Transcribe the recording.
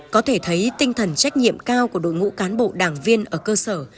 có thể thấy tinh thần trách nhiệm cao của đội ngũ cán bộ đảng viên ở cơ sở